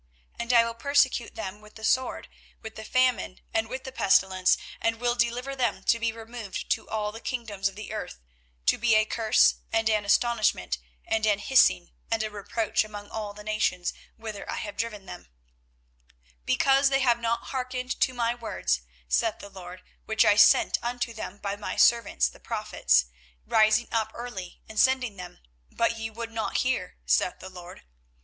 24:029:018 And I will persecute them with the sword, with the famine, and with the pestilence, and will deliver them to be removed to all the kingdoms of the earth, to be a curse, and an astonishment, and an hissing, and a reproach, among all the nations whither I have driven them: 24:029:019 Because they have not hearkened to my words, saith the LORD, which I sent unto them by my servants the prophets, rising up early and sending them; but ye would not hear, saith the LORD.